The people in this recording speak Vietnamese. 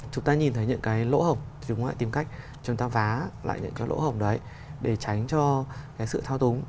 chúng ta nhìn thấy những cái lỗ hổng chúng ta lại tìm cách chúng ta vá lại những cái lỗ hổng đấy để tránh cho sự thao túng